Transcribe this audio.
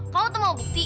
kamu tuh mau bukti